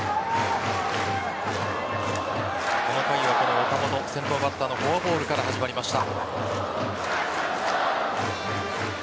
この回はこの岡本先頭バッターのフォアボールから始まりました。